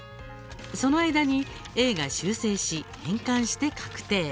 その間にＡが修正し変換して確定。